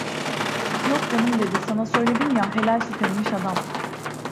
Yok canım dedi, "sana söyledim ya, helal süt emmiş adam!"